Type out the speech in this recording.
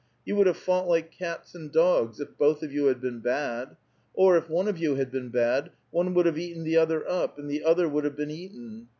You would have fouglit like cats and dogs, if both of you had been bad ; or if one of you had been bad, one would have eaten the other up, and the othor would have been eaten.